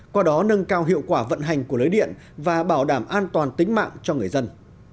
qua đó nâng cao hiệu quả vận hành của lưới điện và bảo đảm an toàn tính mạng cho người dân